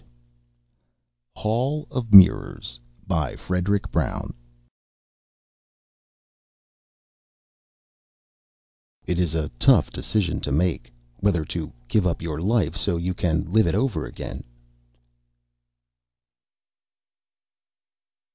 net Hall of Mirrors By FREDRIC BROWN _It is a tough decision to make whether to give up your life so you can live it over again!